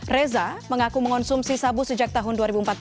reza mengaku mengonsumsi sabu sejak tahun dua ribu empat belas